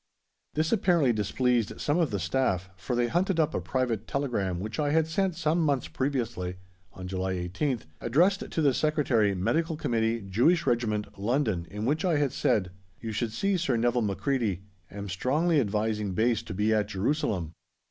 This apparently displeased some of the Staff, for they hunted up a private telegram which I had sent some months previously (on July 18th), addressed to the Secretary, Medical Committee, Jewish Regiment, London, in which I had said: "You should see Sir Nevil Macready. Am strongly advising base to be at Jerusalem."